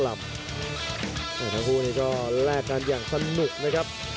แล้วทั้งคู่ก็แลกกันอย่างสนุกนะครับ